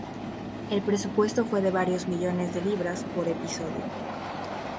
El presupuesto fue de varios millones de libras por episodio.